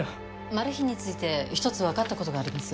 マルヒについて１つ分かったことがあります。